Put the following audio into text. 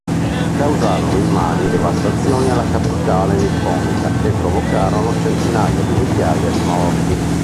Causarono immani devastazioni alla capitale nipponica e provocarono centinaia di migliaia di morti.